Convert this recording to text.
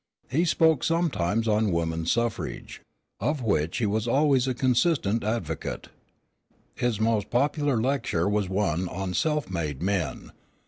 He spoke sometimes on Woman Suffrage, of which he was always a consistent advocate. His most popular lecture was one on "Self made Men."